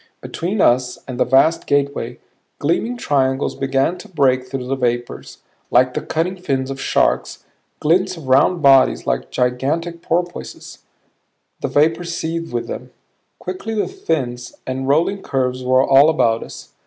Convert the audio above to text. Between us and the vast gateway, gleaming triangles began to break through the vapors, like the cutting fins of sharks, glints of round bodies like gigantic porpoises the vapors seethed with them. Quickly the fins and rolling curves were all about us.